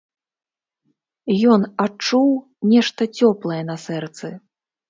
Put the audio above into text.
Ён адчуў нешта цёплае на сэрцы.